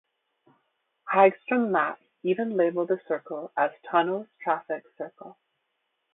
Hagstrom maps even label the circle as "Tunnel's Traffic Circle".